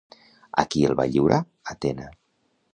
A qui el va lliurar, Atena?